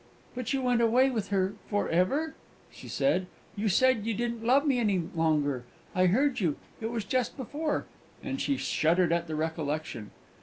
"But you went away with her for ever?" she said. "You said you didn't love me any longer. I heard you ... it was just before " and she shuddered at the recollection.